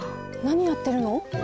なにやってるの？